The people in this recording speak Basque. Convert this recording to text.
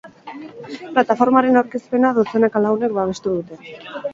Plataformaren aurkezpena dozenaka lagunek babestu dute.